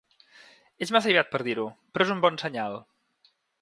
És massa aviat per a dir-ho, però és un bon senyal.